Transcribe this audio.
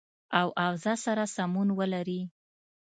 او اوضاع سره سمون ولري